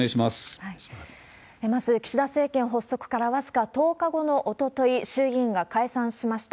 まず、岸田政権発足から僅か１０日後のおととい、衆議院が解散しました。